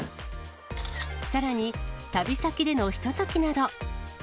さらに、旅先でのひとときなど。